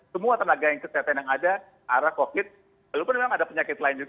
semua tenaga kesehatan yang ada arah covid walaupun memang ada penyakit lain juga